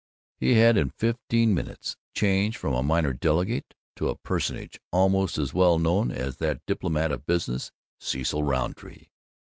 He had in fifteen minutes changed from a minor delegate to a personage almost as well known as that diplomat of business, Cecil Rountree.